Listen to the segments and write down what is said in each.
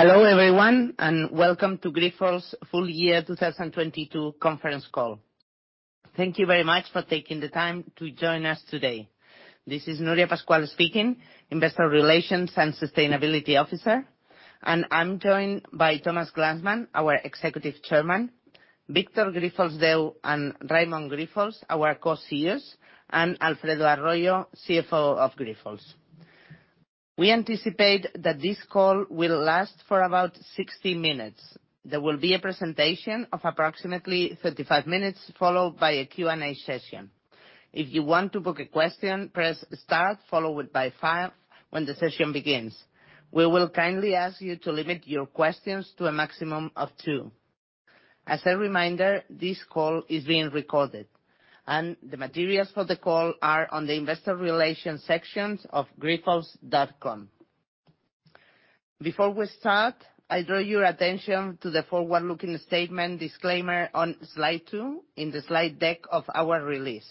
Hello, everyone, welcome to Grifols' Full Year 2022 Conference Call. Thank you very much for taking the time to join us today. This is Nuria Pascual speaking, investor relations and sustainability officer. I'm joined by Thomas Glanzmann, our executive chairman, Victor Grifols Deu and Raimon Grifols, our co-CEOs, and Alfredo Arroyo, CFO of Grifols. We anticipate that this call will last for about 60 minutes. There will be a presentation of approximately 35 minutes, followed by a Q&A session. If you want to book a question, press star followed by five when the session begins. We will kindly ask you to limit your questions to a maximum of two. As a reminder, this call is being recorded. The materials for the call are on the investor relations sections of grifols.com. Before we start, I draw your attention to the forward-looking statement disclaimer on slide two in the slide deck of our release.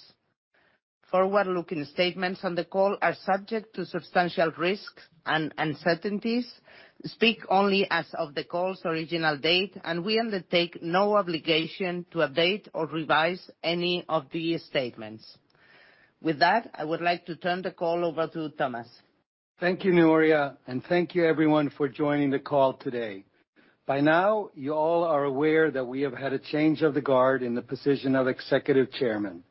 Forward-looking statements on the call are subject to substantial risks and uncertainties, speak only as of the call's original date, and we undertake no obligation to update or revise any of these statements. With that, I would like to turn the call over to Thomas. Thank you, Nuria, and thank you everyone for joining the call today. By now you all are aware that we have had a change of the guard in the position of executive chairman.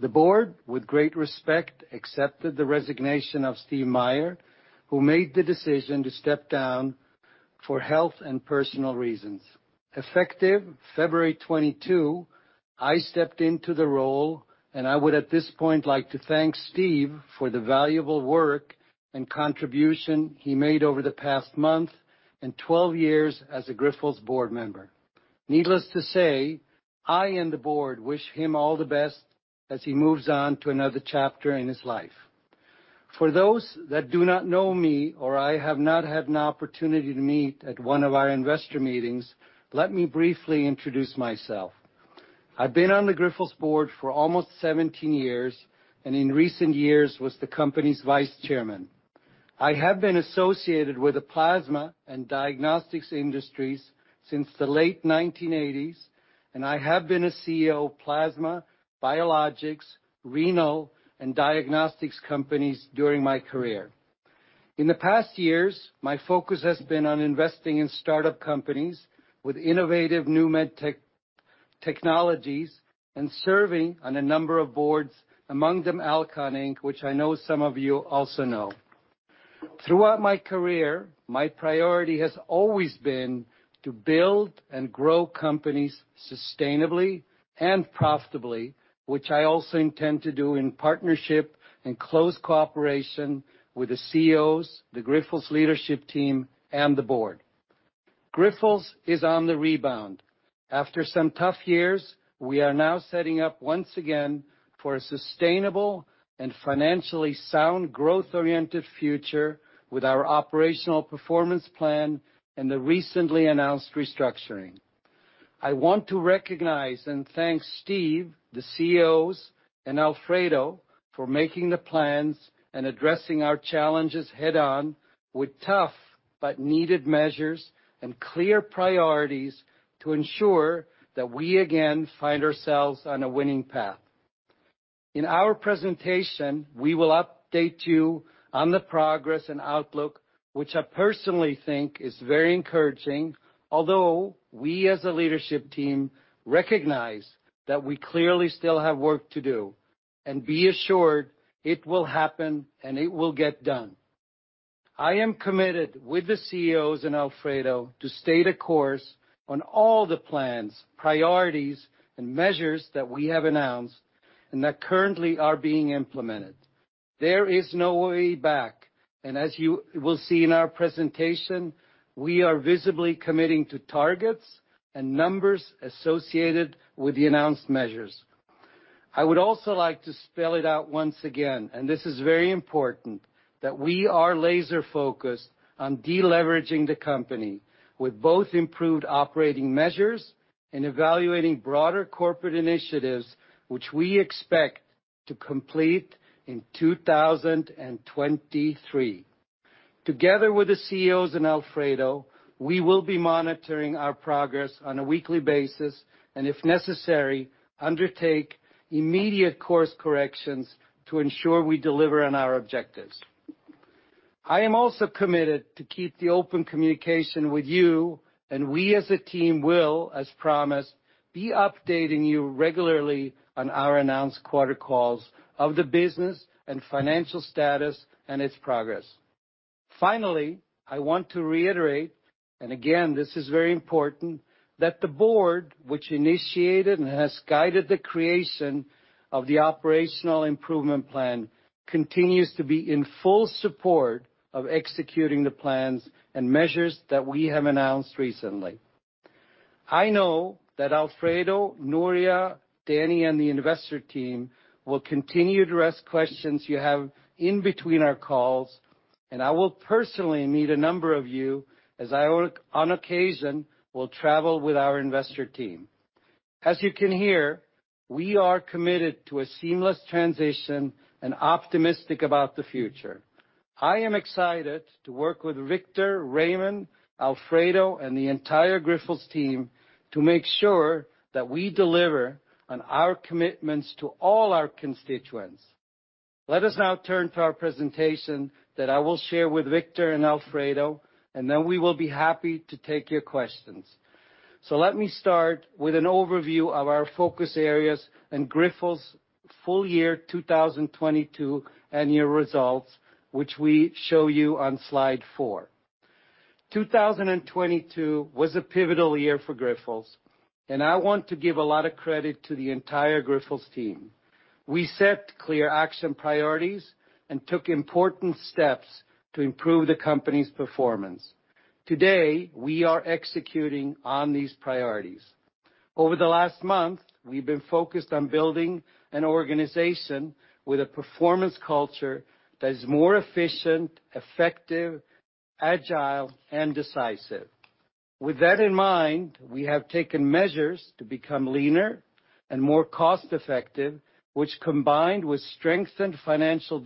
The board, with great respect, accepted the resignation of Steve Mayer, who made the decision to step down for health and personal reasons. Effective February 22, I stepped into the role, and I would at this point like to thank Steve for the valuable work and contribution he made over the past month and 12 years as a Grifols board member. Needless to say, I and the board wish him all the best as he moves on to another chapter in his life. For those that do not know me or I have not had an opportunity to meet at one of our investor meetings, let me briefly introduce myself. I've been on the Grifols board for almost 17 years, and in recent years was the company's vice chairman. I have been associated with the plasma and diagnostics industries since the late 1980s, and I have been a CEO of plasma, biologics, renal, and diagnostics companies during my career. In the past years, my focus has been on investing in startup companies with innovative new med tech-technologies and serving on a number of boards, among them Alcon Inc., which I know some of you also know. Throughout my career, my priority has always been to build and grow companies sustainably and profitably, which I also intend to do in partnership and close cooperation with the CEOs, the Grifols leadership team, and the board. Grifols is on the rebound. After some tough years, we are now setting up once again for a sustainable and financially sound growth-oriented future with our operational performance plan and the recently announced restructuring. I want to recognize and thank Steve, the CEOs and Alfredo for making the plans and addressing our challenges head-on with tough but needed measures and clear priorities to ensure that we again find ourselves on a winning path. In our presentation, we will update you on the progress and outlook, which I personally think is very encouraging, although we as a leadership team recognize that we clearly still have work to do. Be assured it will happen, and it will get done. I am committed with the CEOs and Alfredo to stay the course on all the plans, priorities, and measures that we have announced and that currently are being implemented. There is no way back. As you will see in our presentation, we are visibly committing to targets and numbers associated with the announced measures. I would also like to spell it out once again. This is very important, that we are laser-focused on deleveraging the company with both improved operating measures and evaluating broader corporate initiatives, which we expect to complete in 2023. Together with the CEOs and Alfredo, we will be monitoring our progress on a weekly basis and, if necessary, undertake immediate course corrections to ensure we deliver on our objectives. I am also committed to keep the open communication with you. We as a team will, as promised, be updating you regularly on our announced quarter calls of the business and financial status and its progress. Finally, I want to reiterate, and again, this is very important, that the board, which initiated and has guided the creation of the operational improvement plan, continues to be in full support of executing the plans and measures that we have announced recently. I know that Alfredo, Nuria, Danny, and the investor team will continue to address questions you have in between our calls, and I will personally meet a number of you as I on occasion will travel with our investor team. As you can hear, we are committed to a seamless transition and optimistic about the future. I am excited to work with Victor, Raimon, Alfredo, and the entire Grifols team to make sure that we deliver on our commitments to all our constituents. Let us now turn to our presentation that I will share with Victor and Alfredo, and then we will be happy to take your questions. Let me start with an overview of our focus areas and Grifols' full year 2022 annual results, which we show you on slide four. 2022 was a pivotal year for Grifols, and I want to give a lot of credit to the entire Grifols team. We set clear action priorities and took important steps to improve the company's performance. Today, we are executing on these priorities. Over the last month, we've been focused on building an organization with a performance culture that is more efficient, effective, agile, and decisive. With that in mind, we have taken measures to become leaner and more cost-effective, which, combined with strengthened financial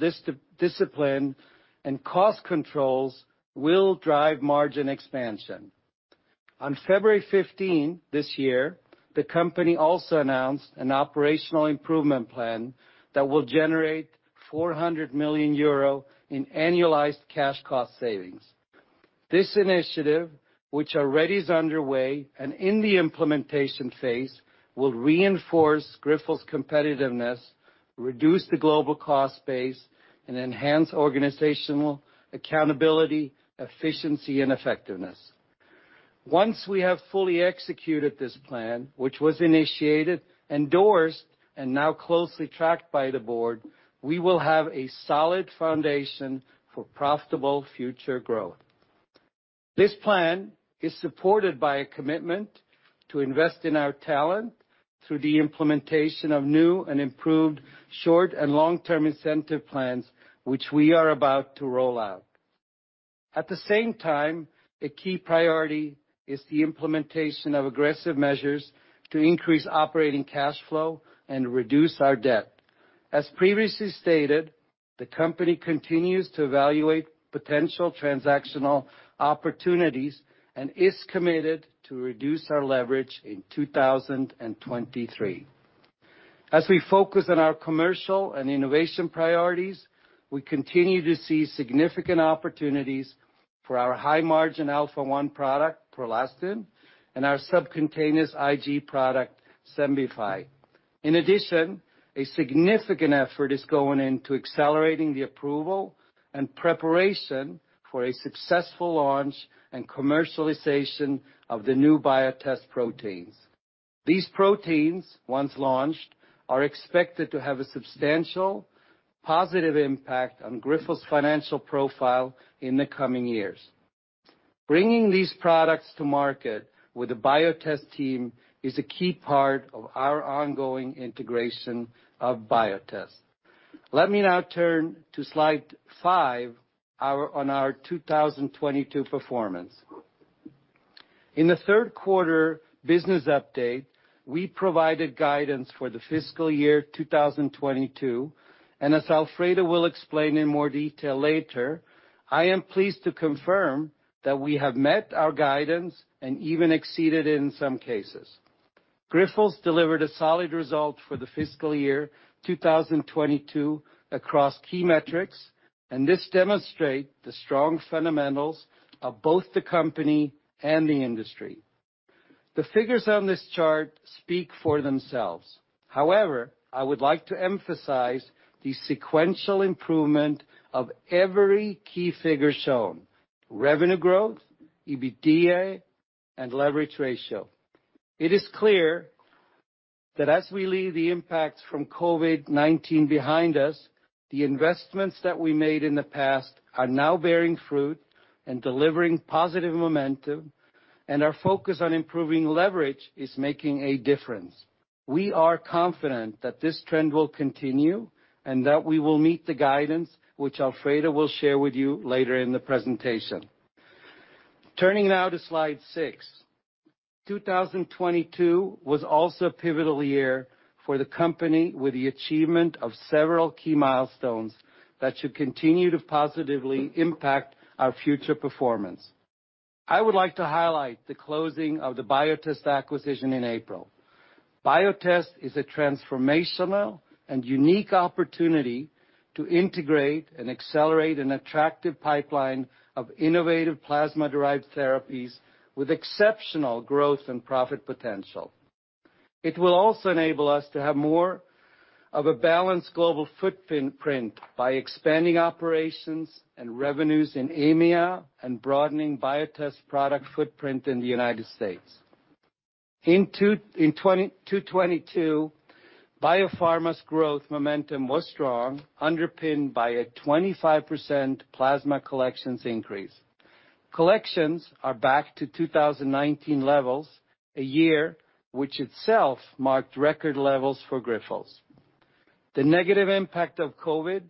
discipline and cost controls, will drive margin expansion. On February 15 this year, the company also announced an operational improvement plan that will generate 400 million euro in annualized cash cost savings. This initiative, which already is underway and in the implementation phase, will reinforce Grifols' competitiveness, reduce the global cost base, and enhance organizational accountability, efficiency, and effectiveness. Once we have fully executed this plan, which was initiated, endorsed, and now closely tracked by the board, we will have a solid foundation for profitable future growth. This plan is supported by a commitment to invest in our talent through the implementation of new and improved short and long-term incentive plans, which we are about to roll out. At the same time, a key priority is the implementation of aggressive measures to increase operating cash flow and reduce our debt. Previously stated, the company continues to evaluate potential transactional opportunities and is committed to reduce our leverage in 2023. We focus on our commercial and innovation priorities, we continue to see significant opportunities for our high-margin Alpha-1 product, PROLASTIN, and our subcutaneous IG product, XEMBIFY. A significant effort is going into accelerating the approval and preparation for a successful launch and commercialization of the new Biotest proteins. These proteins, once launched, are expected to have a substantial positive impact on Grifols' financial profile in the coming years. Bringing these products to market with the Biotest team is a key part of our ongoing integration of Biotest. Let me now turn to slide five on our 2022 performance. In the third quarter business update, we provided guidance for the fiscal year 2022, and as Alfredo will explain in more detail later, I am pleased to confirm that we have met our guidance and even exceeded it in some cases. Grifols delivered a solid result for the fiscal year 2022 across key metrics, and this demonstrate the strong fundamentals of both the company and the industry. The figures on this chart speak for themselves. However, I would like to emphasize the sequential improvement of every key figure shown, revenue growth, EBITDA, and leverage ratio. It is clear that as we leave the impacts from COVID-19 behind us, the investments that we made in the past are now bearing fruit and delivering positive momentum, and our focus on improving leverage is making a difference. We are confident that this trend will continue and that we will meet the guidance, which Alfredo will share with you later in the presentation. Turning now to slide six. 2022 was also a pivotal year for the company with the achievement of several key milestones that should continue to positively impact our future performance. I would like to highlight the closing of the Biotest acquisition in April. Biotest is a transformational and unique opportunity to integrate and accelerate an attractive pipeline of innovative plasma-derived therapies with exceptional growth and profit potential. It will also enable us to have more of a balanced global footprint by expanding operations and revenues in EMEA and broadening Biotest product footprint in the United States. In 2022, Biopharma's growth momentum was strong, underpinned by a 25% plasma collections increase. Collections are back to 2019 levels, a year which itself marked record levels for Grifols. The negative impact of COVID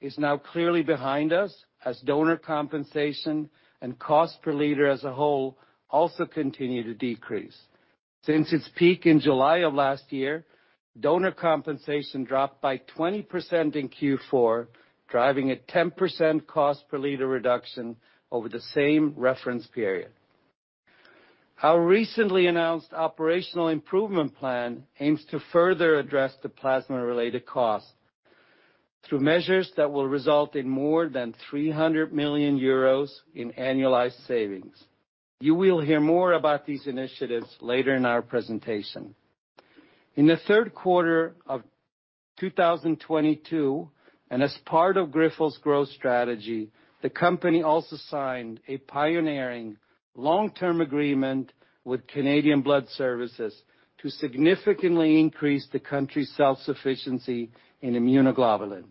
is now clearly behind us as donor compensation and cost per liter as a whole also continue to decrease. Since its peak in July of last year, donor compensation dropped by 20% in Q4, driving a 10% cost per liter reduction over the same reference period. Our recently announced operational improvement plan aims to further address the plasma-related costs through measures that will result in more than 300 million euros in annualized savings. You will hear more about these initiatives later in our presentation. In the third quarter of 2022, as part of Grifols growth strategy, the company also signed a pioneering long-term agreement with Canadian Blood Services to significantly increase the country's self-sufficiency in immunoglobulin.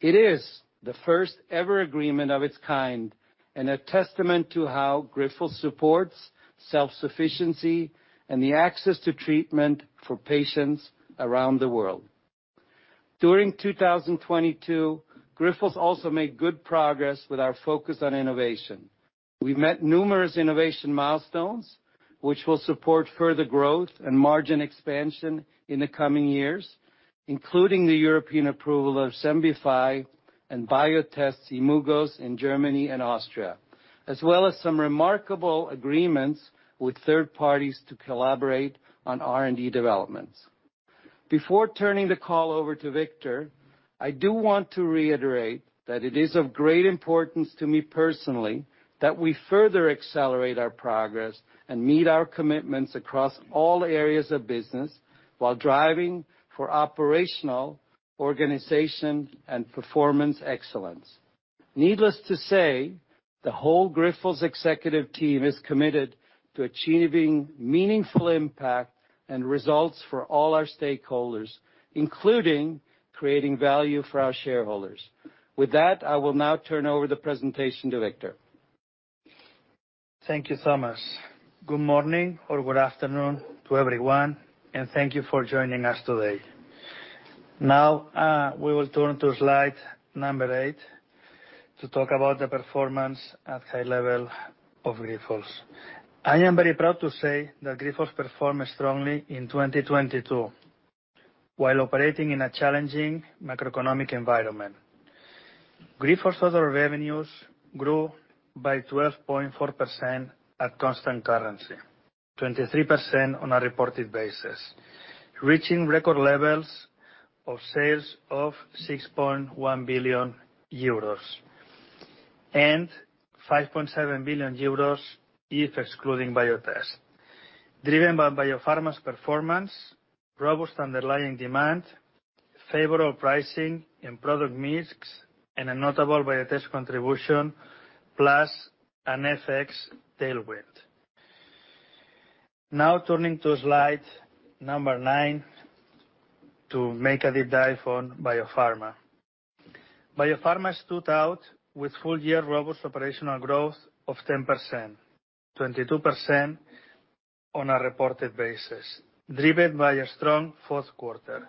It is the first-ever agreement of its kind and a testament to how Grifols supports self-sufficiency and the access to treatment for patients around the world. During 2022, Grifols also made good progress with our focus on innovation. We met numerous innovation milestones, which will support further growth and margin expansion in the coming years, including the European approval of XEMBIFY and Biotest's YIMMUGO in Germany and Austria, as well as some remarkable agreements with third parties to collaborate on R&D developments. Before turning the call over to Victor, I do want to reiterate that it is of great importance to me personally that we further accelerate our progress and meet our commitments across all areas of business while driving for operational, organization, and performance excellence. Needless to say, the whole Grifols executive team is committed to achieving meaningful impact and results for all our stakeholders, including creating value for our shareholders. With that, I will now turn over the presentation to Victor. Thank you, Thomas. Good morning or good afternoon to everyone, and thank you for joining us today. We will turn to slide number eight to talk about the performance at high level of Grifols. I am very proud to say that Grifols performed strongly in 2022 while operating in a challenging macroeconomic environment. Grifols' total revenues grew by 12.4% at constant currency, 23% on a reported basis, reaching record levels of sales of 6.1 billion euros and 5.7 billion euros if excluding Biotest. Driven by Biopharma's performance, robust underlying demand, favorable pricing, and product mix, and a notable Biotest contribution, plus an FX tailwind. Turning to slide number nine to make a deep dive on Biopharma. Biopharma stood out with full-year robust operational growth of 10%, 22% on a reported basis, driven by a strong fourth quarter.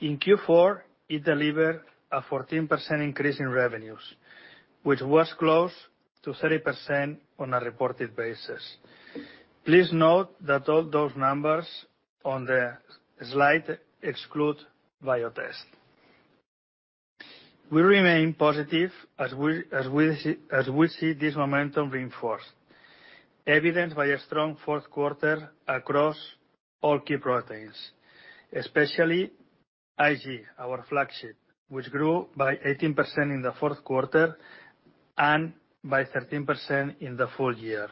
In Q4, it delivered a 14% increase in revenues, which was close to 30% on a reported basis. Please note that all those numbers on the slide exclude Biotest. We remain positive as we see this momentum reinforced, evidenced by a strong fourth quarter across all key proteins, especially IG, our flagship, which grew by 18% in the fourth quarter and by 13% in the full year.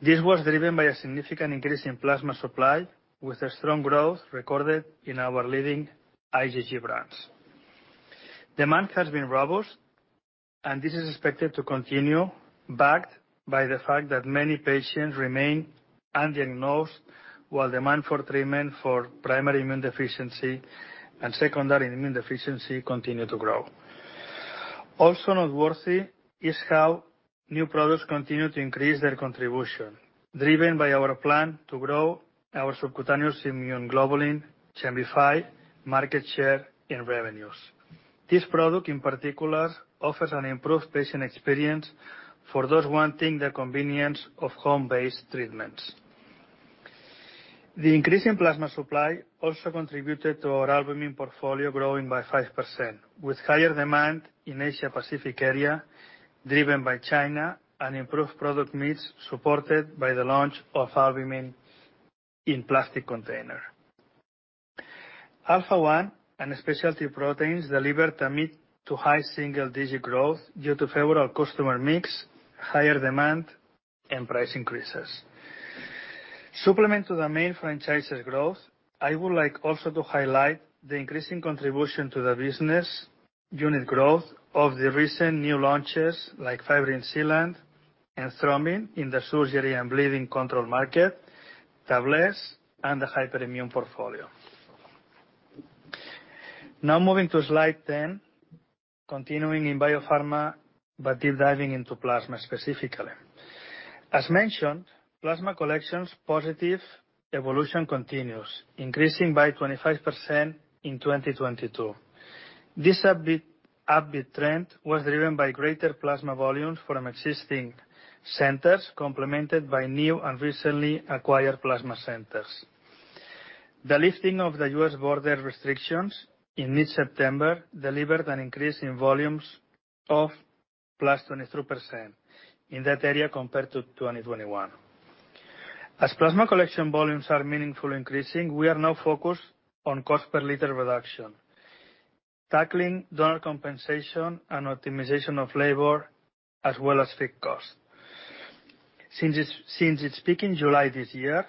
This was driven by a significant increase in plasma supply, with a strong growth recorded in our leading IgG brands. Demand has been robust. This is expected to continue, backed by the fact that many patients remain undiagnosed while demand for treatment for Primary immune deficiency and Secondary immune deficiency continue to grow. Also noteworthy is how new products continue to increase their contribution, driven by our plan to grow our Subcutaneous immunoglobulin, XEMBIFY, market share, and revenues. This product, in particular, offers an improved patient experience for those wanting the convenience of home-based treatments. The increase in plasma supply also contributed to our albumin portfolio growing by 5%, with higher demand in Asia-Pacific area, driven by China and improved product mix, supported by the launch of albumin in plastic container. Alpha-1 and specialty proteins delivered a mid-to high single-digit growth due to favorable customer mix, higher demand, and price increases. Supplement to the main franchises growth, I would like also to highlight the increasing contribution to the business unit growth of the recent new launches, like fibrin sealant and thrombin in the surgery and bleeding control market, tables, and the hyperimmune portfolio. Moving to slide 10. Continuing in Biopharma, deep diving into plasma specifically. As mentioned, plasma collections positive evolution continues, increasing by 25% in 2022. This upbeat trend was driven by greater plasma volumes from existing centers, complemented by new and recently acquired plasma centers. The lifting of the U.S. border restrictions in mid-September delivered an increase in volumes of +23% in that area compared to 2021. As plasma collection volumes are meaningfully increasing, we are now focused on cost per liter reduction, tackling donor compensation and optimization of labor, as well as fixed cost. Since its peak in July this year,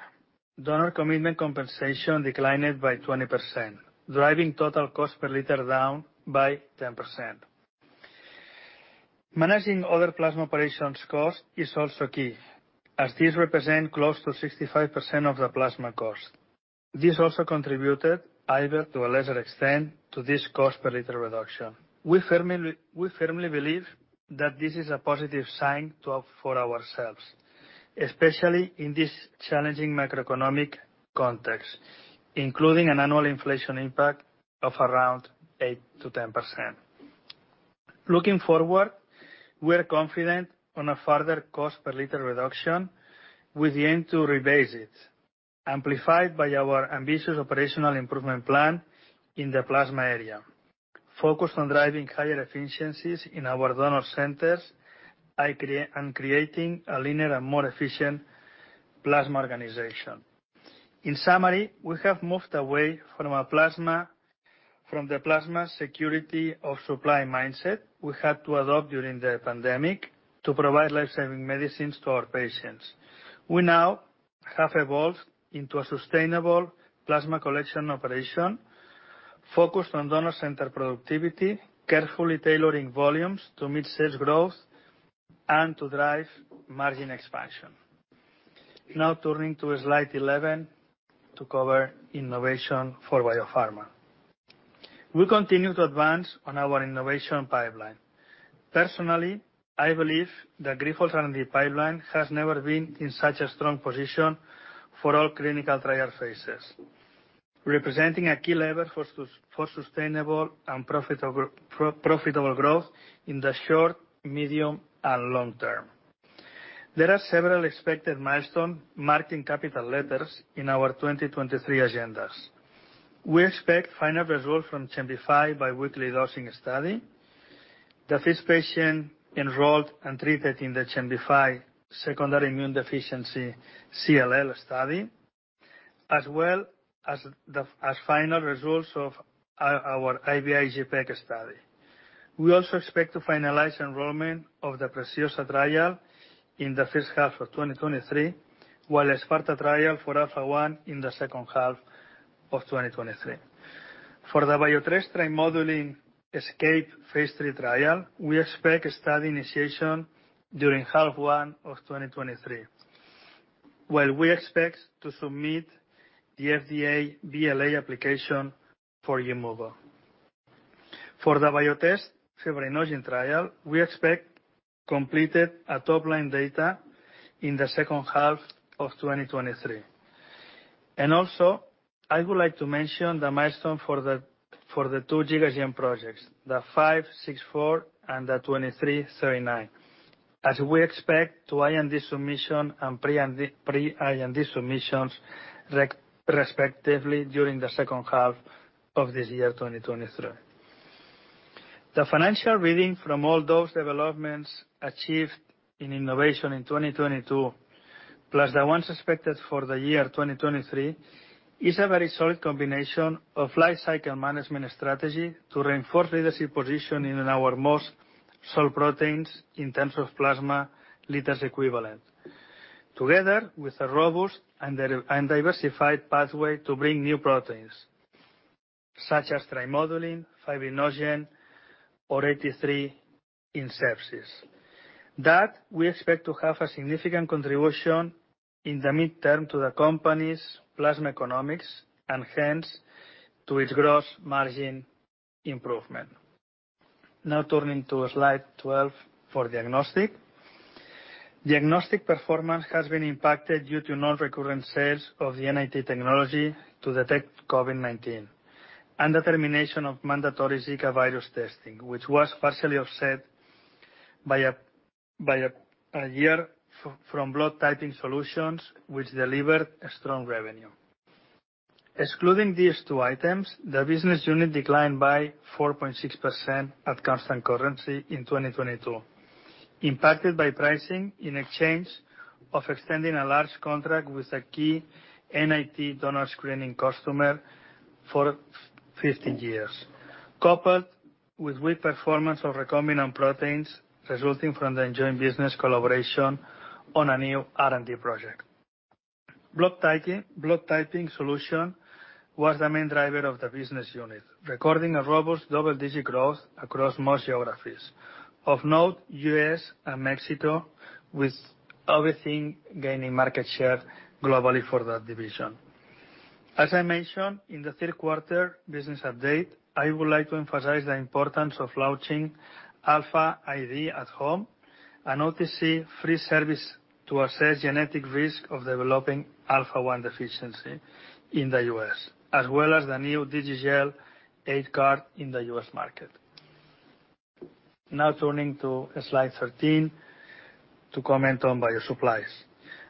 donor commitment compensation declined by 20%, driving total cost per liter down by 10%. Managing other plasma operations costs is also key, as this represent close to 65% of the plasma cost. This also contributed to a lesser extent to this cost per liter reduction. We firmly believe that this is a positive sign for ourselves, especially in this challenging macroeconomic context, including an annual inflation impact of around 8%-10%. Looking forward, we are confident on a further cost per liter reduction with the aim to rebase it, amplified by our ambitious operational improvement plan in the plasma area, focused on driving higher efficiencies in our donor centers and creating a leaner and more efficient plasma organization. In summary, we have moved away from the plasma security of supply mindset we had to adopt during the pandemic to provide life-saving medicines to our patients. We now have evolved into a sustainable plasma collection operation focused on donor center productivity, carefully tailoring volumes to meet sales growth and to drive margin expansion. Turning to slide 11 to cover innovation for Biopharma. We continue to advance on our innovation pipeline. Personally, I believe that Grifols R&D pipeline has never been in such a strong position for all clinical trial phases, representing a key lever for sustainable and profitable growth in the short, medium, and long term. There are several expected milestones marked in capital letters in our 2023 agendas. We expect final results from XEMBIFY bi-weekly dosing study. The first patient enrolled and treated in the XEMBIFY secondary immune deficiency CLL study, as well as the final results of our IVIG peak study. We also expect to finalize enrollment of the PRECIOSA trial in the first half of 2023, while SPARTA trial for Alpha-1 in the second half of 2023. For the Biotest trimodulin ESCAPE Phase III trial, we expect a study initiation during half one of 2023, while we expect to submit the FDA BLA application for YIMMUGO. For the Biotest fibrinogen trial, we expect completed a top-line data in the second half of 2023. Also, I would like to mention the milestone for the two GigaGen projects, the GIGA-564, and the GIGA-2339, as we expect to IND submission and pre-IND submissions respectively during the second half of this year, 2023. The financial reading from all those developments achieved in innovation in 2022, plus the ones expected for the year 2023, is a very solid combination of lifecycle management strategy to reinforce leadership position in our most sold proteins in terms of plasma liters equivalent. Together with a robust and a diversified pathway to bring new proteins, such as trimodulin, fibrinogen, or 83 in sepsis. We expect to have a significant contribution in the mid-term to the company's plasma economics, and hence to its gross margin improvement. Turning to slide 12 for diagnostic. Diagnostic performance has been impacted due to non-recurrent sales of the NAT technology to detect COVID-19 and the termination of mandatory Zika virus testing, which was partially offset by a year from blood typing solutions which delivered a strong revenue. Excluding these two items, the business unit declined by 4.6% at constant currency in 2022, impacted by pricing in exchange of extending a large contract with a key NAT donor screening customer for 15 years, coupled with weak performance of recombinant proteins resulting from the joint business collaboration on a new R&D project. Blood typing solution was the main driver of the business unit, recording a robust double-digit growth across most geographies. Of note, U.S. and Mexico, with everything gaining market share globally for that division. I mentioned in the third quarter business update, I would like to emphasize the importance of launching AlphaID At Home, an OTC free service to assess genetic risk of developing Alpha-1 deficiency in the U.S., as well as the new DG Gel 8 card in the U.S. market. Turning to slide 13 to comment on bio-supplies.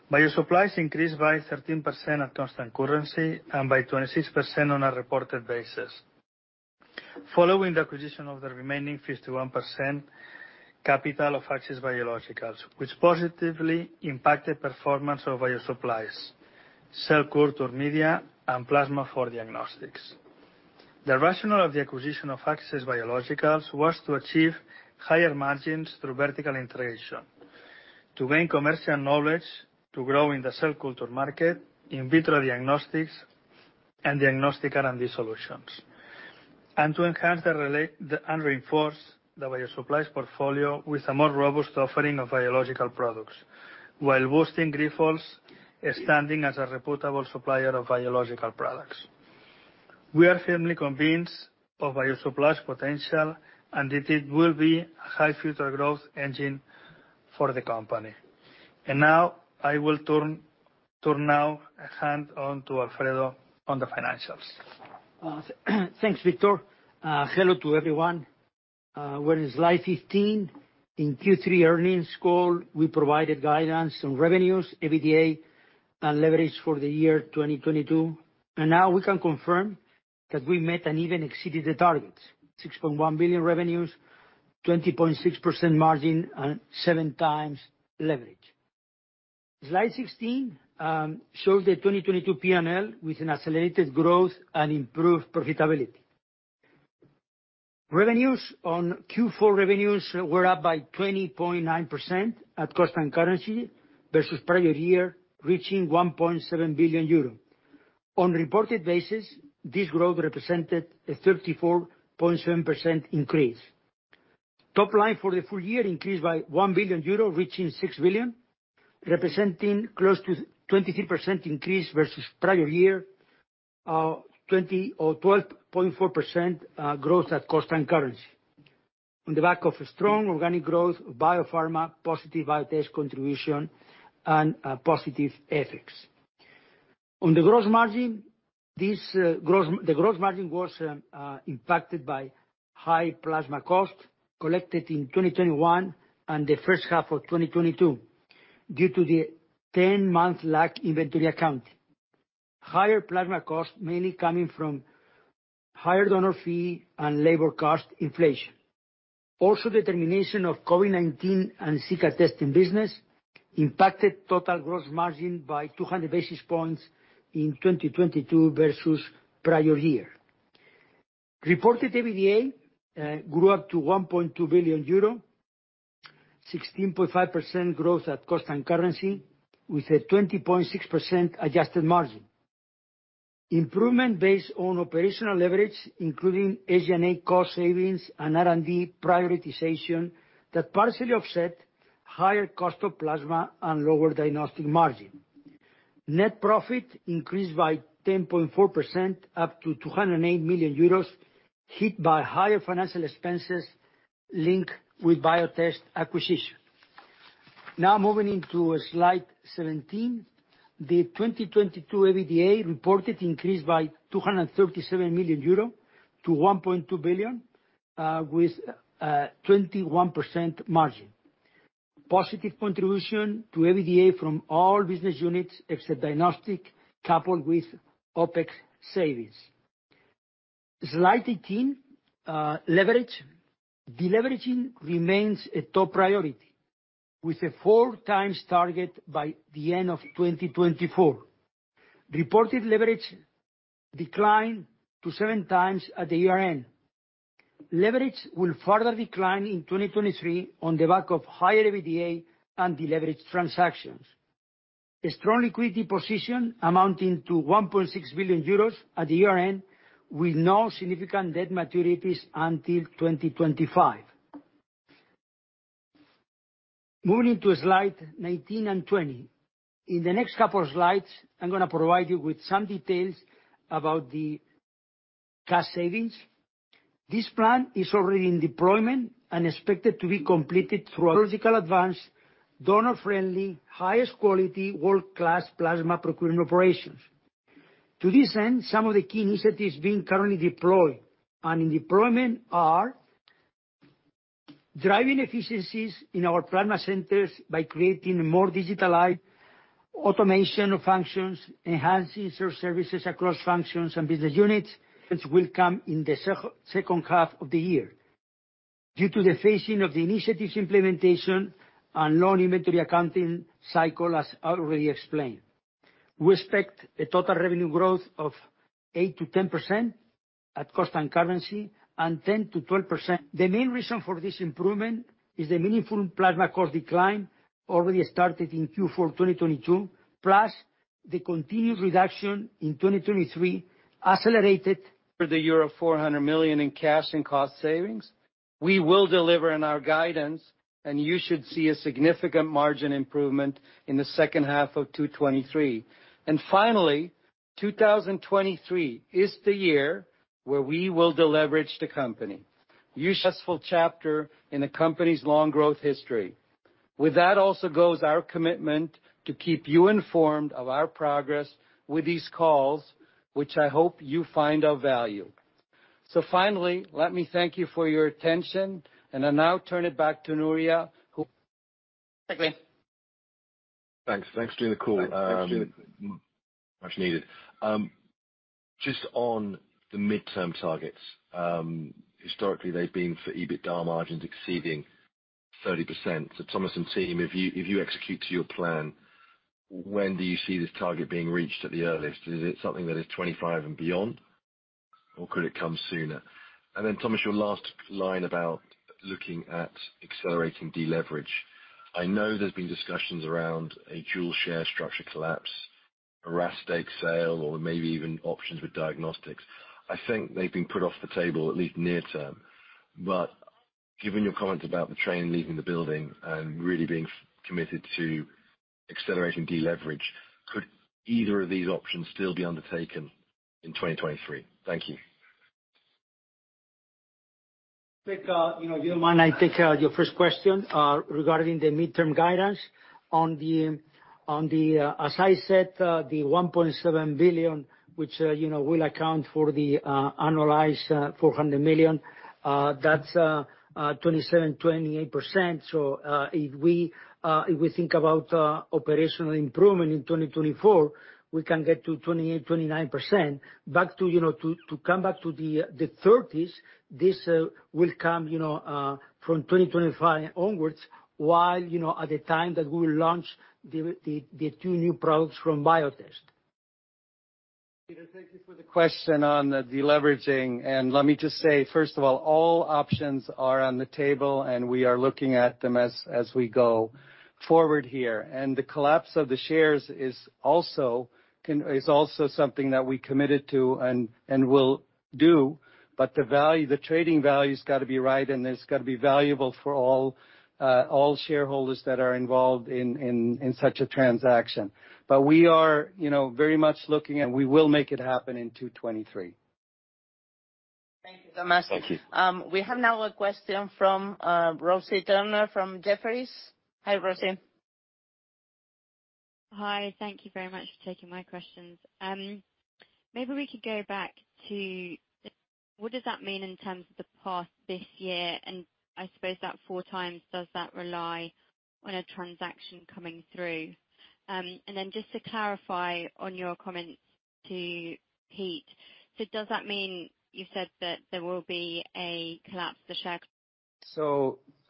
Bio-supplies increased by 13% at constant currency, and by 26% on a reported basis. Following the acquisition of the remaining 51% capital of Access Biologicals, which positively impacted performance of bio-supplies, cell culture media, and plasma for diagnostics. The rationale of the acquisition of Access Biologicals was to achieve higher margins through vertical integration, to gain commercial knowledge to grow in the cell culture market, in vitro diagnostics, and diagnostic R&D solutions. To enhance and reinforce the bio-supplies portfolio with a more robust offering of biological products, while boosting Grifols standing as a reputable supplier of biological products. We are firmly convinced of bio-supplies' potential, and that it will be a high future growth engine for the company. Now I will turn now hand on to Alfredo on the financials. Thanks, Victor. Hello to everyone. We're in slide 15. In Q3 earnings call, we provided guidance on revenues, EBITDA, and leverage for the year 2022. Now we can confirm that we met and even exceeded the targets. 6.1 billion revenues, 20.6% margin, and 7x leverage. Slide 16 shows the 2022 P&L with an accelerated growth and improved profitability. Revenues on Q4 revenues were up by 20.9% at constant currency versus prior year, reaching 1.7 billion euros. On reported basis, this growth represented a 34.7% increase. Top line for the full year increased by 1 billion euros, reaching 6 billion, representing close to 23% increase versus prior year, 20 or 12.4% growth at constant currency. On the back of strong organic growth, Biopharma, positive Biotest contribution, and positive ethics. On the gross margin, this the gross margin was impacted by high plasma costs collected in 2021 and the first half of 2022, due to the 10-month lag inventory account. Higher plasma costs mainly coming from higher donor fee and labor cost inflation. The termination of COVID-19 and Zika testing business impacted total gross margin by 200 basis points in 2022 versus prior year. Reported EBITDA grew up to 1.2 billion euro, 16.5% growth at cost and currency with a 20.6% adjusted margin. Improvement based on operational leverage, including G&A cost savings and R&D prioritization that partially offset higher cost of plasma and lower diagnostic margin. Net profit increased by 10.4%, up to 208 million euros, hit by higher financial expenses linked with Biotest acquisition. Moving into slide 17. The 2022 EBITDA reported increase by 237 million euro to 1.2 billion, with 21% margin. Positive contribution to EBITDA from all business units except diagnostic, coupled with OpEx savings. Slide 18, leverage. Deleveraging remains a top priority, with a 4x target by the end of 2024. Reported leverage declined to 7x at the year-end. Leverage will further decline in 2023 on the back of higher EBITDA and deleverage transactions. A strong liquidity position amounting to 1.6 billion euros at the year-end, with no significant debt maturities until 2025. Moving to slide 19 and 20. In the next couple of slides, I'm gonna provide you with some details about the cost savings. This plan is already in deployment and expected to be completed through a logical advance, donor-friendly, highest quality, world-class plasma procurement operations. To this end, some of the key initiatives being currently deployed and in deployment are driving efficiencies in our plasma centers by creating more digitalized automation functions, enhancing shared services across functions and business units. Will come in the second half of the year. Due to the phasing of the initiatives implementation and low inventory accounting cycle, as I already explained. We expect a total revenue growth of 8% to 10% at cost and currency, and 10% to 12%. The main reason for this improvement is the meaningful plasma cost decline already started in Q4 2022, plus the continued reduction in 2023. For the year of euro 400 million in cash and cost savings. We will deliver on our guidance, and you should see a significant margin improvement in the second half of 2023. Finally, 2023 is the year where we will deleverage the company. Successful chapter in the company's long growth history. With that also goes our commitment to keep you informed of our progress with these calls, which I hope you find of value. Finally, let me thank you for your attention, and I now turn it back to Nuria. Thanks. Thanks for doing the call. Much needed. Just on the midterm targets, historically, they've been for EBITDA margins exceeding 30%. Thomas and team, if you execute to your plan, when do you see this target being reached at the earliest? Is it something that is 2025 and beyond, or could it come sooner? Thomas, your last line about looking at accelerating deleverage. I know there's been discussions around a dual share structure collapse, a stake sale, or maybe even options with diagnostics. I think they've been put off the table, at least near term. Given your comments about the train leaving the building and really being committed to accelerating deleverage, could either of these options still be undertaken in 2023? Thank you. Pete, you know, if you don't mind, I take your first question regarding the midterm guidance. On the, as I said, the 1.7 billion, which, you know, will account for the annualized 400 million, that's 27%-28%. If we think about operational improvement in 2024, we can get to 28%-29%. Back to, you know, to come back to the 30%, this will come, you know, from 2025 onwards, while, you know, at the time that we launch the two new products from Biotest. Peter, thank you for the question on the deleveraging. Let me just say, first of all options are on the table, and we are looking at them as we go forward here. The collapse of the shares is also something that we committed to and will do, but the value, the trading value's gotta be right, and it's gotta be valuable for all shareholders that are involved in such a transaction. We are, you know, very much looking, and we will make it happen in 2023. Thank you so much. Thank you. We have now a question from Rosie Turner from Jefferies. Hi, Rosie. Hi. Thank you very much for taking my questions. Maybe we could go back to what does that mean in terms of the path this year? I suppose that four times, does that rely on a transaction coming through? Then just to clarify on your comments to Pete. Does that mean you said that there will be a collapse of the share-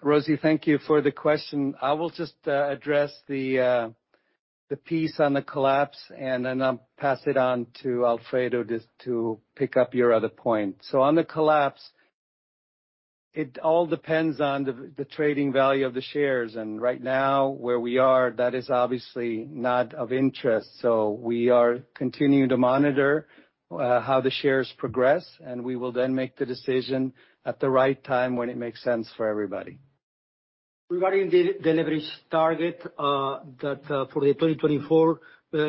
Rosie, thank you for the question. I will just address the piece on the collapse, and then I'll pass it on to Alfredo just to pick up your other point. On the collapse, it all depends on the trading value of the shares. Right now, where we are, that is obviously not of interest. We are continuing to monitor how the shares progress, and we will then make the decision at the right time when it makes sense for everybody. Regarding the deleverage target, that, for 2024,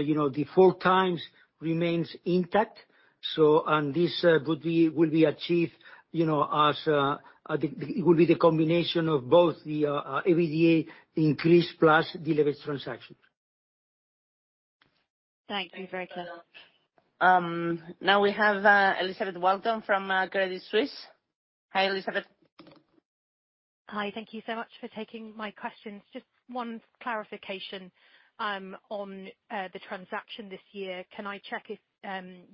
you know, the 4x remains intact. This will be achieved, you know, as, it will be the combination of both the, EBITDA increase plus deleverage transaction. Thank you. Very clear. Now we have Elizabeth Walton from Credit Suisse. Hi, Elizabeth. Hi. Thank you so much for taking my questions. Just one clarification on the transaction this year. Can I check if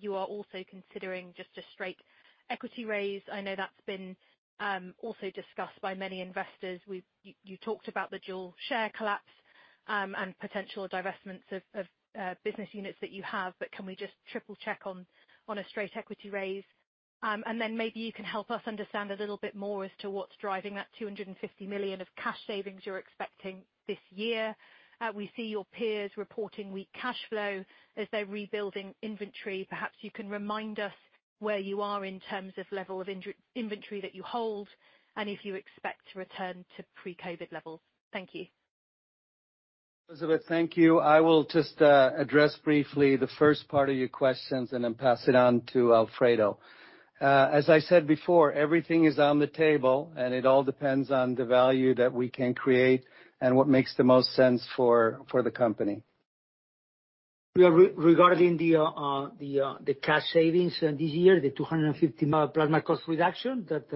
you are also considering just a straight equity raise? I know that's been also discussed by many investors. You talked about the dual share collapse and potential divestments of business units that you have. Can we just triple-check on a straight equity raise? Maybe you can help us understand a little bit more as to what's driving that 250 million of cash savings you're expecting this year. We see your peers reporting weak cash flow as they're rebuilding inventory. Perhaps you can remind us where you are in terms of level of inventory that you hold and if you expect to return to pre-COVID levels. Thank you. Elizabeth, thank you. I will just address briefly the first part of your questions and then pass it on to Alfredo. As I said before, everything is on the table, it all depends on the value that we can create and what makes the most sense for the company. We are regarding the cash savings this year, the 250 million plasma cost reduction, that,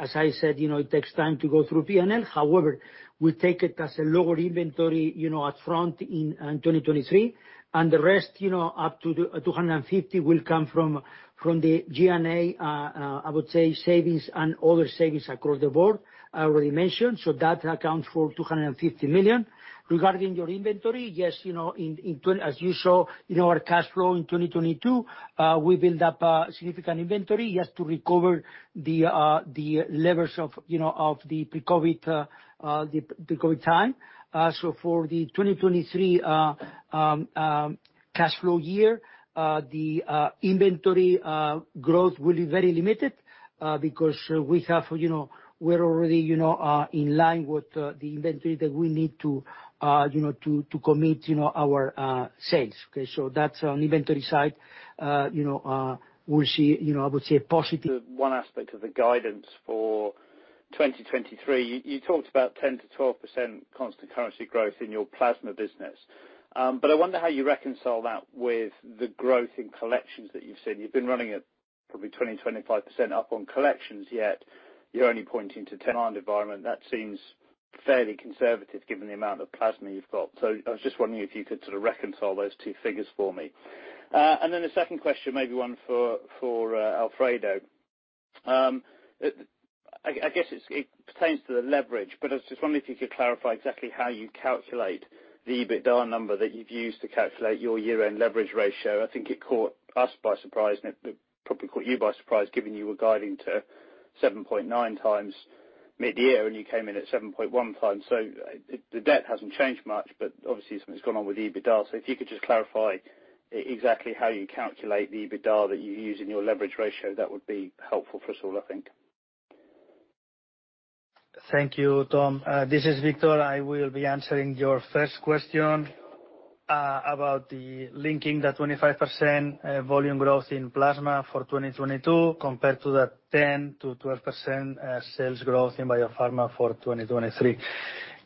as I said, you know, it takes time to go through P&L. However, we take it as a lower inventory, you know, up front in 2023, and the rest, you know, up to 250 million will come from the G&A, I would say, savings and other savings across the board, I already mentioned. So that accounts for 250 million. Regarding your inventory, yes, you know, As you saw in our cash flow in 2022, we build up a significant inventory, yes, to recover the levels of, you know, of the pre-COVID, the COVID time. For the 2023 cash flow year, the inventory growth will be very limited because we have, you know, we're already, you know, in line with the inventory that we need to, you know, to commit, you know, our sales. Okay. That's on the inventory side. You know, we'll see, you know, I would say a positive. One aspect of the guidance for 2023, you talked about 10-12% constant currency growth in your plasma business. I wonder how you reconcile that with the growth in collections that you've seen. You've been running at probably 20-25% up on collections, yet you're only pointing to ten- environment. That seems fairly conservative given the amount of plasma you've got. I was just wondering if you could sort of reconcile those two figures for me. Then the second question, maybe one for Alfredo. I guess it pertains to the leverage, but I just wondered if you could clarify exactly how you calculate the EBITDA number that you've used to calculate your year-end leverage ratio. I think it caught us by surprise. It probably caught you by surprise, given you were guiding to 7.9x mid-year, and you came in at 7.1x. The debt hasn't changed much, but obviously something's gone on with the EBITDA. If you could just clarify exactly how you calculate the EBITDA that you use in your leverage ratio, that would be helpful for us all, I think. Thank you, Tom. This is Victor. I will be answering your first question about the linking the 25% volume growth in plasma for 2022 compared to the 10%-12% sales growth in Biopharma for 2023.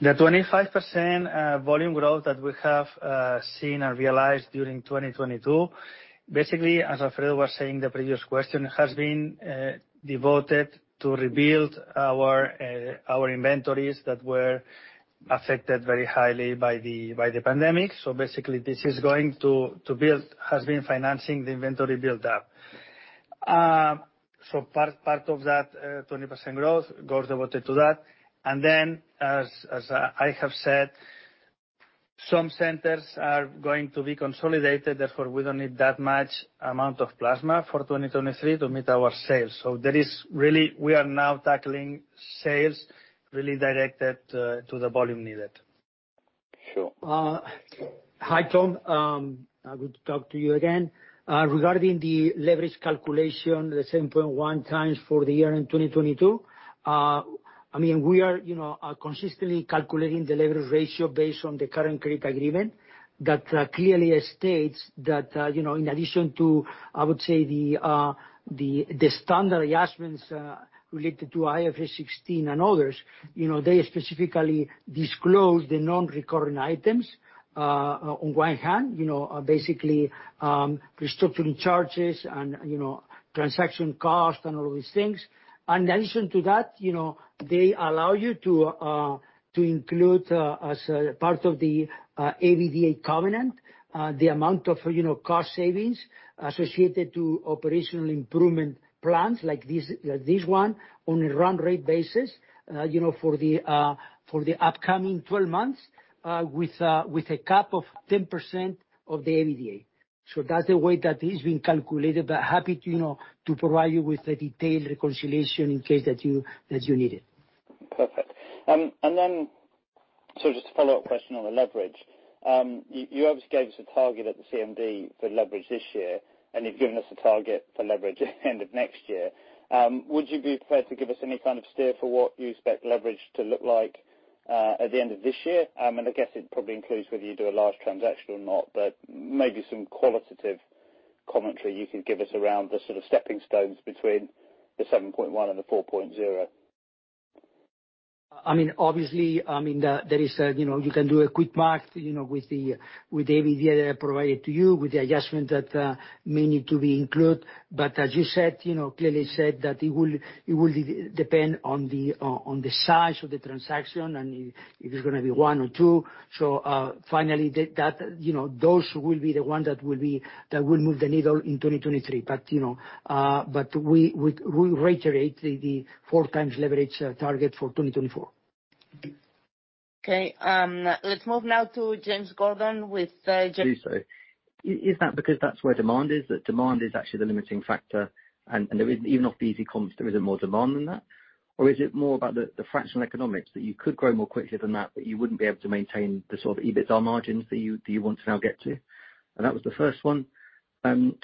The 25% volume growth that we have seen and realized during 2022, basically, as Alfredo was saying in the previous question, has been devoted to rebuild our inventories that were affected very highly by the pandemic. Basically this has been financing the inventory build-up. Part of that 20% growth goes devoted to that. As I have said, some centers are going to be consolidated, therefore we don't need that much amount of plasma for 2023 to meet our sales. There is really we are now tackling sales really directed to the volume needed. Sure. Hi, Tom. Good to talk to you again. Regarding the leverage calculation, the 7.1x for the year in 2022, I mean, we are, you know, consistently calculating the leverage ratio based on the current credit agreement that clearly states that, you know, in addition to, I would say the standard adjustments related to IFRS 16 and others, you know, they specifically disclose the non-recurring items, on one hand, you know, basically, restructuring charges and, you know, transaction costs and all these things. In addition to that, you know, they allow you to include as part of the EBITDA covenant, the amount of, you know, cost savings associated to operational improvement plans like this one on a run rate basis, you know, for the upcoming 12 months, with a cap of 10% of the EBITDA. That's the way that is being calculated, but happy to, you know, to provide you with the detailed reconciliation in case that you, that you need it. Perfect. Just a follow-up question on the leverage. You, you obviously gave us a target at the CMD for leverage this year, and you've given us a target for leverage end of next year. Would you be prepared to give us any kind of steer for what you expect leverage to look like at the end of this year? I guess it probably includes whether you do a large transaction or not, but maybe some qualitative commentary you could give us around the sort of stepping stones between the 7.1x and the 4.0x. I mean, obviously, I mean, there is, you know, you can do a quick mark, you know, with the EBITDA provided to you, with the adjustment that may need to be included. As you said, you know, clearly said that it will depend on the size of the transaction and if it's gonna be one or two. Finally, you know, those will be the ones that will move the needle in 2023. You know, but we reiterate the 4x leverage target for 2024. Okay, let's move now to James Gordon with. Is that because that's where demand is, that demand is actually the limiting factor and even off the easy comps, there isn't more demand than that? Or is it more about the fractional economics that you could grow more quickly than that, but you wouldn't be able to maintain the sort of EBITDA margins that you want to now get to? That was the first one. Could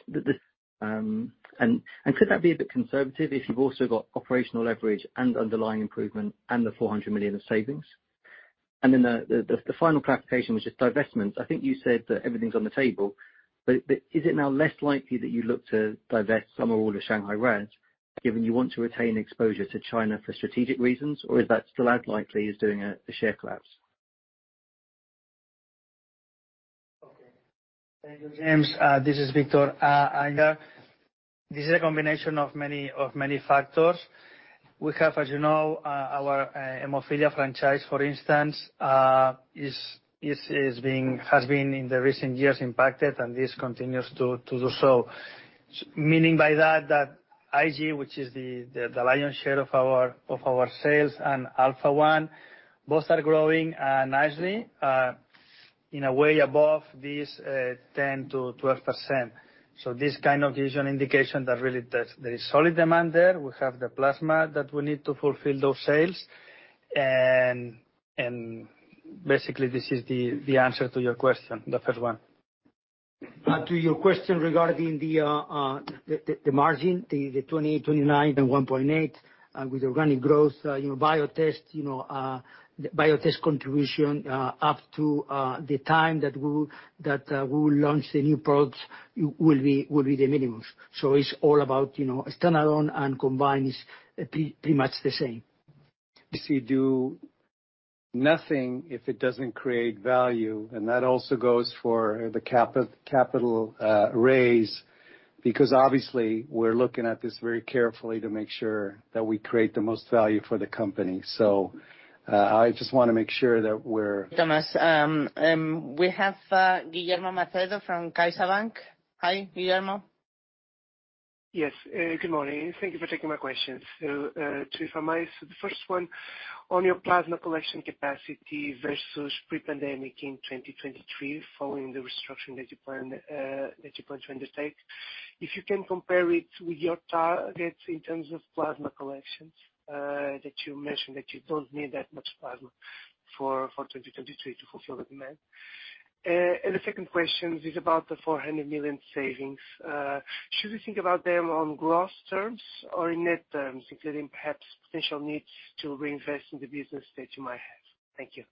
that be a bit conservative if you've also got operational leverage and underlying improvement and the 400 million of savings? The final clarification was just divestments. I think you said that everything's on the table, but is it now less likely that you look to divest some or all of Shanghai RAAS, given you want to retain exposure to China for strategic reasons? Is that still as likely as doing a share collapse? Thank you, James. This is Victor, Aida. This is a combination of many factors. We have, as you know, our hemophilia franchise, for instance, has been in the recent years impacted, and this continues to do so. Meaning by that IG, which is the lion's share of our sales, and Alpha-1, both are growing nicely in a way above this 10%-12%. This kind of gives you an indication that really there is solid demand there. We have the plasma that we need to fulfill those sales. Basically this is the answer to your question, the first one. Regarding the margin, the 28%, 29%, and 1.8% with organic growth, you know, Biotest contribution up to the time that we will launch the new products will be the minimum. So it's all about, you know, standalone and combined is pretty much the same. We do nothing if it doesn't create value, and that also goes for the capital raise, because obviously we're looking at this very carefully to make sure that we create the most value for the company. I just want to make sure that we're- Thomas, we have Guillermo Macedo from CaixaBank. Hi, Guillermo. Yes. Good morning. Thank you for taking my questions. Two for Mais. The first one on your plasma collection capacity versus pre-pandemic in 2023, following the restructuring that you plan that you plan to undertake. If you can compare it with your targets in terms of plasma collections, that you mentioned that you don't need that much plasma for 2023 to fulfill the demand. The second question is about the 400 million savings. Should we think about them on gross terms or in net terms, including perhaps potential needs to reinvest in the business that you might have? Thank you.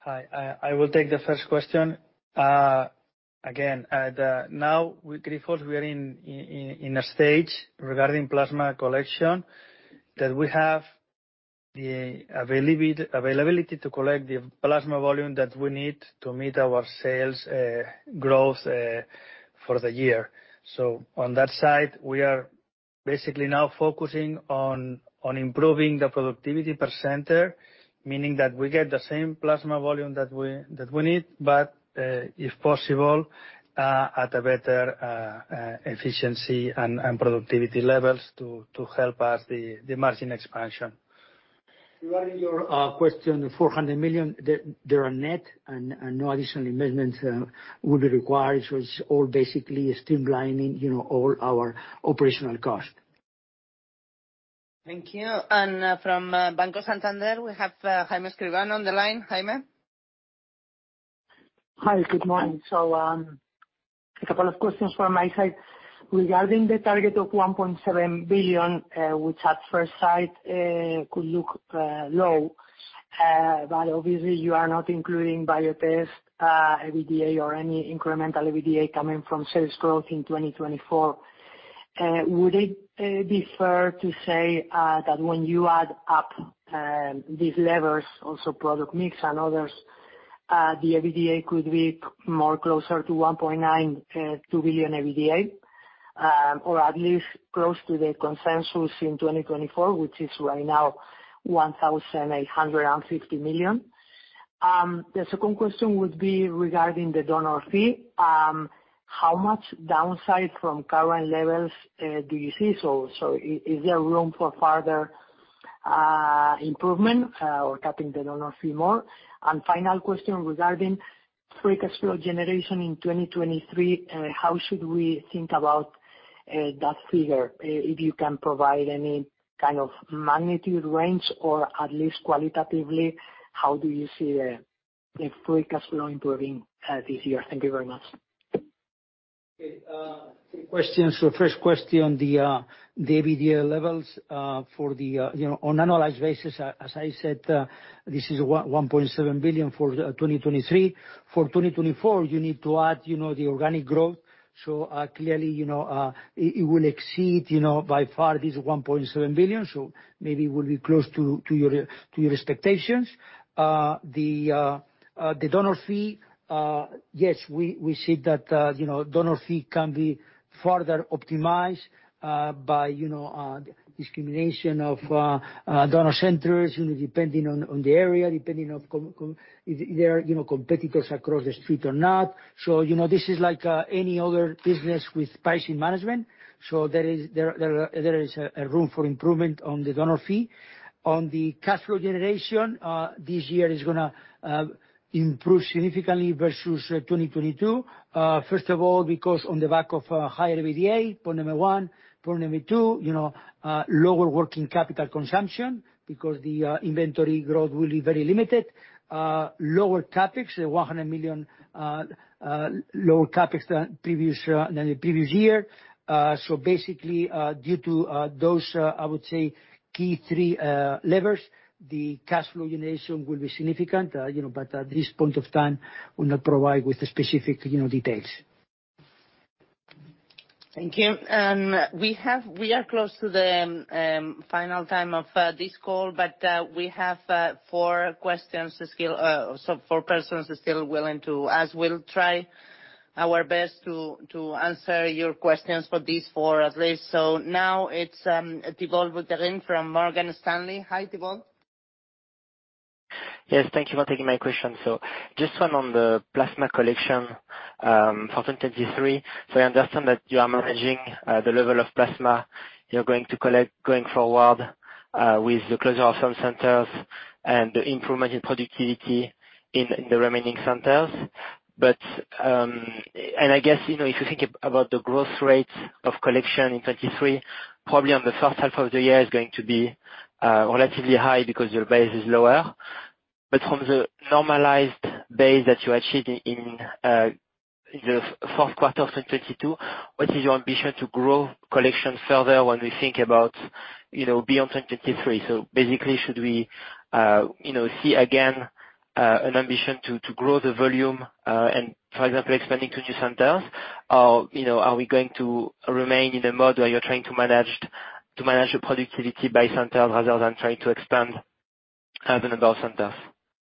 Hi. I will take the first question. Again, now with Grifols, we are in a stage regarding plasma collection, that we have the availability to collect the plasma volume that we need to meet our sales growth for the year. On that side, we are basically now focusing on improving the productivity per center, meaning that we get the same plasma volume that we need, but if possible, at a better efficiency and productivity levels to help us the margin expansion. Regarding your question, the 400 million, they are net and no additional investments will be required. It's all basically streamlining, you know, all our operational costs. Thank you. From Banco Santander, we have Jaime Escribano on the line. Jaime? Hi. Good morning. A couple of questions from my side. Regarding the target of 1.7 billion, which at first sight could look low, but obviously you are not including Biotest EBITDA or any incremental EBITDA coming from sales growth in 2024. Would it be fair to say that when you add up these levers, also product mix and others, the EBITDA could be more closer to 1.9 billion-2 billion EBITDA? Or at least close to the consensus in 2024, which is right now 1,850 million. The second question would be regarding the donor fee. How much downside from current levels do you see? Is there room for further improvement or capping the donor fee more? Final question regarding free cash flow generation in 2023, how should we think about that figure? If you can provide any kind of magnitude range or at least qualitatively, how do you see the free cash flow improving this year? Thank you very much. Okay. Three questions. First question, the EBITDA levels for the, you know, on annualized basis, as I said, this is 1.7 billion for 2023. For 2024, you need to add, you know, the organic growth. Clearly, you know, it will exceed, you know, by far this 1.7 billion. Maybe it will be close to your expectations. The donor fee, yes, we see that, you know, donor fee can be further optimized by, you know, discrimination of donor centers, you know, depending on the area, depending on... If there are, you know, competitors across the street or not. You know, this is like any other business with pricing management. There is a room for improvement on the donor fee. On the cash flow generation, this year is gonna improve significantly versus 2022. First of all, because on the back of a higher EBITDA, point number one. Point number two, you know, lower working capital consumption because the inventory growth will be very limited. Lower CapEx, 100 million lower CapEx than the previous year. Basically, due to those, I would say key three levers, the cash flow generation will be significant, you know, but at this point of time will not provide with the specific, you know, details. Thank you. We are close to the final time of this call, but we have four questions still, so four persons still willing to ask. We'll try our best to answer your questions for these four at least. Now it's Thibault Boutherin from Morgan Stanley. Hi, Thibault. Yes, thank you for taking my question. Just one on the plasma collection for 2023. I understand that you are managing the level of plasma you're going to collect going forward with the closure of some centers and the improvement in productivity in the remaining centers. I guess, you know, if you think about the growth rate of collection in 2023, probably on the first half of the year is going to be relatively high because your base is lower. From the normalized base that you achieved in the fourth quarter of 2022, what is your ambition to grow collection further when we think about, you know, beyond 2023? Basically, should we, you know, see? An ambition to grow the volume, and for example, expanding to new centers. You know, are we going to remain in a mode where you're trying to manage your productivity by centers rather than trying to expand the number of centers?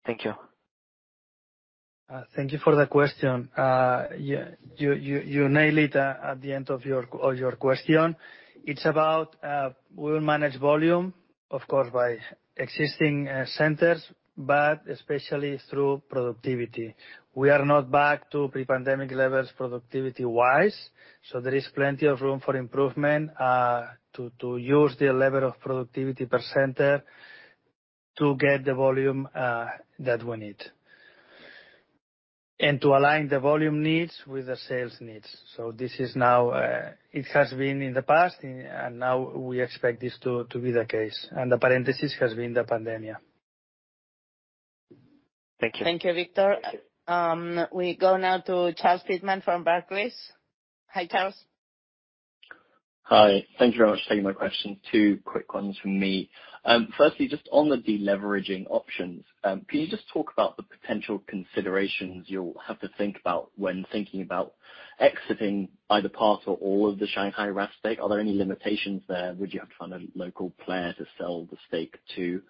Thank you. Thank you for that question. Yeah, you nail it at the end of your question. It's about, we'll manage volume, of course, by existing centers, but especially through productivity. We are now back to pre-pandemic levels, productivity-wise, so there is plenty of room for improvement, to use the level of productivity per center to get the volume that we need. To align the volume needs with the sales needs. This is now... it has been in the past and now we expect this to be the case, and the parenthesis has been the pandemia. Thank you. Thank you, Victor. We go now to Charles Pitman from Barclays. Hi, Charles. Hi. Thank you very much for taking my question. Two quick ones from me. Firstly, just on the deleveraging options, can you just talk about the potential considerations you'll have to think about when thinking about exiting either part or all of the Shanghai RAAS stake? Are there any limitations there? Would you have to find a local player to sell the stake to?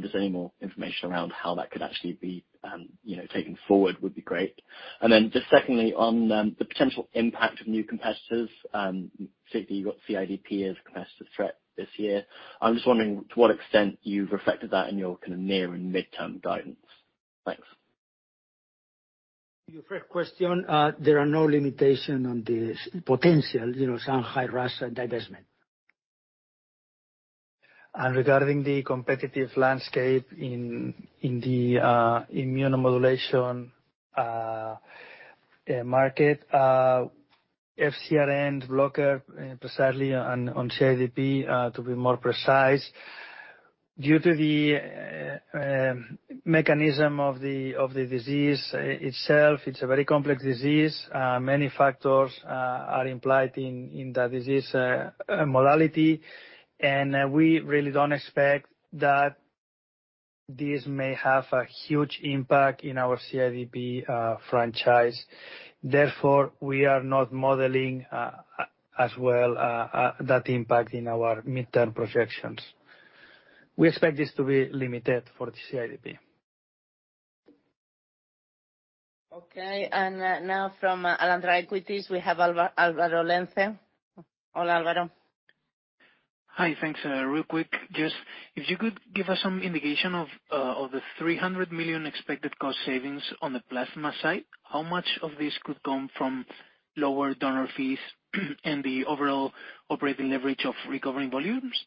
Just any more information around how that could actually be, you know, taken forward would be great. Secondly, on the potential impact of new competitors, specifically you've got CIDP as a competitive threat this year. I'm just wondering to what extent you've reflected that in your kind of near and mid-term guidance. Thanks. Your first question, there are no limitation on this potential, you know, Shanghai RAAS divestment. Regarding the competitive landscape in the immunomodulation market, FcRn blocker, precisely on CIDP, to be more precise, due to the mechanism of the disease itself, it's a very complex disease, many factors are implied in the disease modality. We really don't expect that this may have a huge impact in our CIDP franchise. Therefore, we are not modeling as well that impact in our midterm projections. We expect this to be limited for the CIDP. Okay. now from Alantra Equities, we have Alvaro Lenze. Hola, Alvaro. Hi. Thanks. real quick, just if you could give us some indication of the 300 million expected cost savings on the plasma side, how much of this could come from lower donor fees and the overall operating leverage of recovering volumes?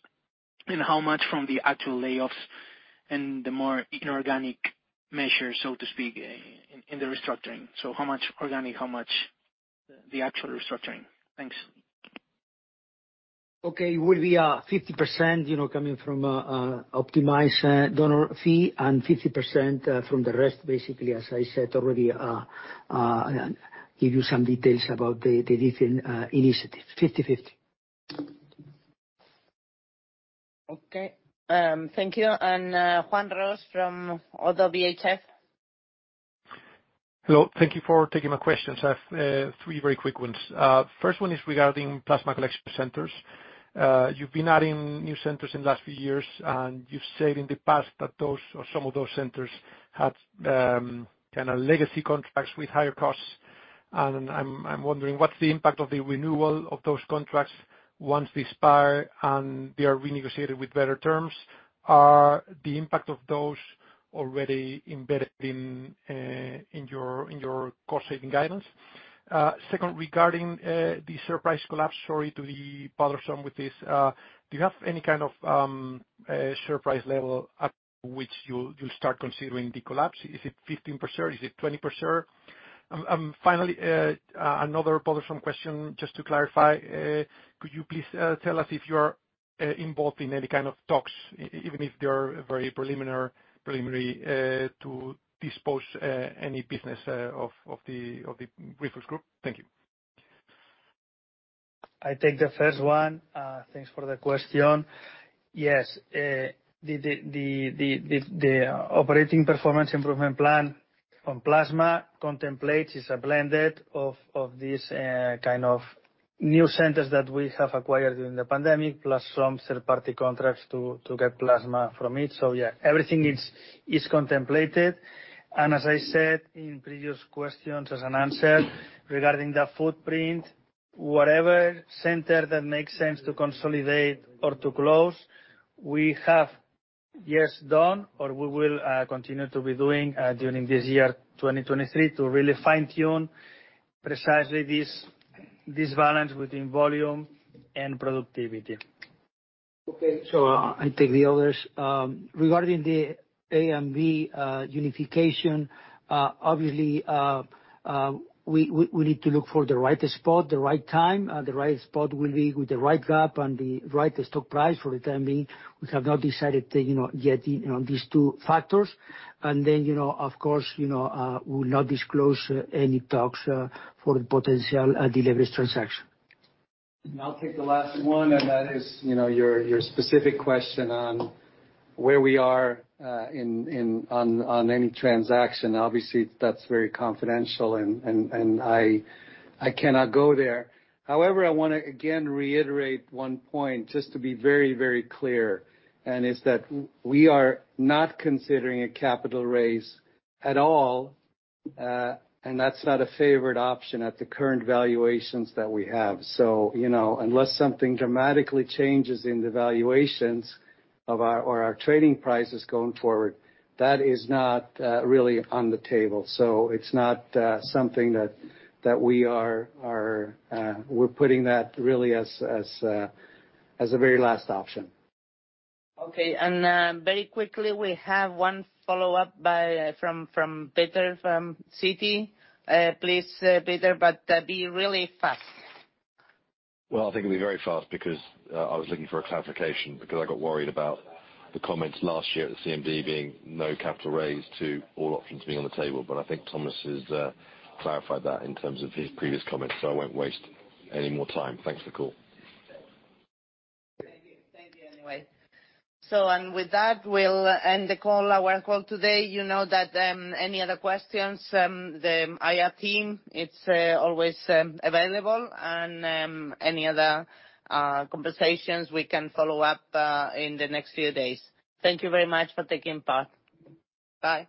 How much from the actual layoffs and the more inorganic measures, so to speak, in the restructuring? How much organic, how much the actual restructuring? Thanks. Okay. It will be 50%, you know, coming from optimized donor fee and 50% from the rest, basically, as I said already, give you some details about the different initiatives. 50/50. Okay. Thank you. Juan Ros from Oddo BHF. Hello. Thank you for taking my questions. I have three very quick ones. First one is regarding plasma collection centers. You've been adding new centers in the last few years, and you've said in the past that those or some of those centers had kind of legacy contracts with higher costs. I'm wondering, what's the impact of the renewal of those contracts once they expire and they are renegotiated with better terms? Are the impact of those already embedded in your cost-saving guidance? Second, regarding the share price collapse, sorry to be bothersome with this, do you have any kind of share price level at which you'll start considering the collapse? Is it 15%? Is it 20%? Finally, another bothersome question just to clarify, could you please tell us if you are involved in any kind of talks, even if they are very preliminary, to dispose any business of the Grifols Group? Thank you. I take the first one. Thanks for the question. The operating performance improvement plan on plasma contemplates, is a blended of this kind of new centers that we have acquired during the pandemic, plus some third-party contracts to get plasma from it. Everything is contemplated, and as I said in previous questions as an answer regarding the footprint, whatever center that makes sense to consolidate or to close, we have yes done or we will continue to be doing during this year, 2023, to really fine-tune precisely this balance between volume and productivity. Okay. I take the others. Regarding the A/B unification, obviously, we need to look for the right spot, the right time. The right spot will be with the right gap and the right stock price. For the time being, we have not decided, you know, yet, you know, these two factors. Of course, you know, we'll not disclose any talks for the potential deleverage transaction. I'll take the last one, and that is, you know, your specific question on any transaction. Obviously, that's very confidential and I cannot go there. However, I wanna, again, reiterate one point, just to be very, very clear, and it's that we are not considering a capital raise at all, and that's not a favored option at the current valuations that we have. You know, unless something dramatically changes in the valuations of our, or our trading prices going forward, that is not really on the table. It's not something that we are putting that really as a very last option. Okay. Very quickly, we have one follow-up from Peter from Citi. Please, Peter, be really fast. Well, I think it'll be very fast because I was looking for a clarification because I got worried about the comments last year at the CMD being no capital raise to all options being on the table, but I think Thomas has clarified that in terms of his previous comments, so I won't waste any more time. Thanks for the call. Thank you. Thank you anyway. With that, we'll end the call, our call today. You know that, any other questions, the IR team, it's always available, and any other conversations we can follow up in the next few days. Thank you very much for taking part. Bye.